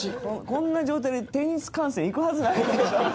こんな状態でテニス観戦行くはずないでしょ。